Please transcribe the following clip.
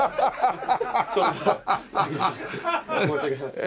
ちょっと申し訳ありません。